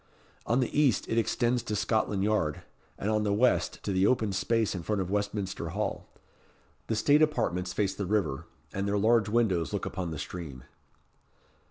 On the east it extends to Scotland Yard, and on the west to the open space in front of Westminster Hall. The state apartments face the river, and their large windows look upon the stream.